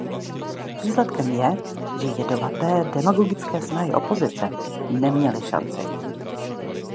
Výsledkem je, že jedovaté, demagogické snahy opozice neměly šanci.